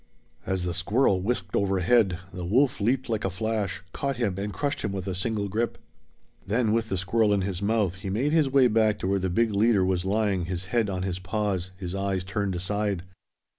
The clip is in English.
As the squirrel whisked overhead the wolf leaped like a flash, caught him, and crushed him with a single grip. Then with the squirrel in his mouth he made his way back to where the big leader was lying, his head on his paws, his eyes turned aside.